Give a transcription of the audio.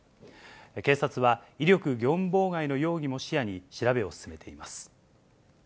警察は、威力業務妨害の容疑も視野に、調べを進めています。